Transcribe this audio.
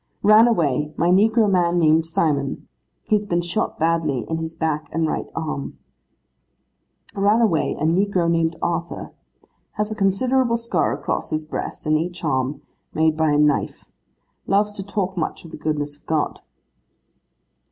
'Ran away, my negro man named Simon. He has been shot badly, in his back and right arm.' 'Ran away, a negro named Arthur. Has a considerable scar across his breast and each arm, made by a knife; loves to talk much of the goodness of God.